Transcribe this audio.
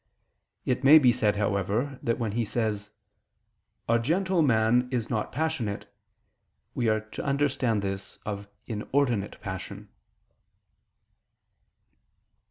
It may be said, however, that when he says "a gentle man is not passionate," we are to understand this of inordinate passion.